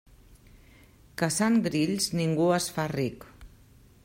Caçant grills ningú es fa ric.